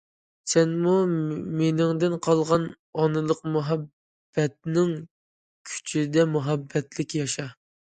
سەنمۇ مېنىڭدىن ئالغان ئانىلىق مۇھەببەتنىڭ كۈچىدە مۇھەببەتلىك ياشا!